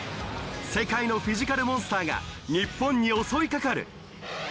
世界のフィジカルモンスターが日本に襲いかかる。